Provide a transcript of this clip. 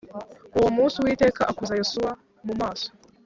Uwo munsi Uwiteka akuza Yosuwa mu maso